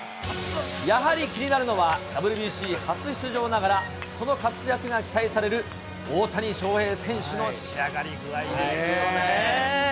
やはり気になるのは、ＷＢＣ初出場ながら、その活躍が期待される大谷翔平選手の仕上がり具合ですよね。